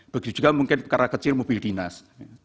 begitu juga mungkin karena kecil mobil dinas